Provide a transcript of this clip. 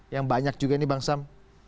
yang banyak juga ini bang sam